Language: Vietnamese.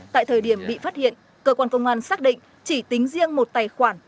tại thời điểm bị phát hiện cơ quan công an xác định chỉ tính riêng một tài khoản